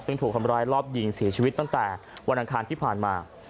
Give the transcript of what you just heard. ซึ่งถูกทำร้ายรอบยิงเสียชีวิตตั้งแต่วันอังคารที่ผ่านมา